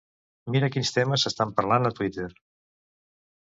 Mira quins temes s'estan parlant a Twitter.